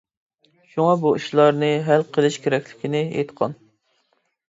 شۇڭا بۇ ئىشلارنى ھەل قىلىشى كېرەكلىكىنى ئېيتقان.